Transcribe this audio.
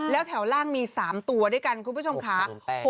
แล้วแถวล่างมี๓ตัวด้วยกันคุณผู้ชมค่ะ